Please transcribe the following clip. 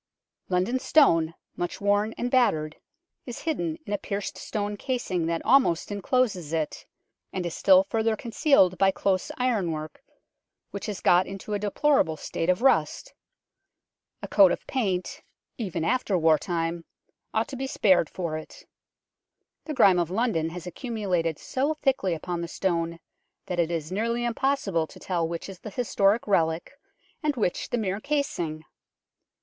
London Stone, much worn and battered, is hidden in a pierced stone casing that almost encloses it, and is still further concealed by close ironwork, which has got into a deplorable state of rust. A coat of paint, even after war LONDON STONE 137 time, ought to be spared for it. The grime of London has accumulated so thickly upon the Stone that it is nearly impossible to tell which is the historic relic and which the mere casing.